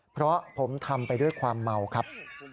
เพราะผมทำไปด้วยความเมาครับ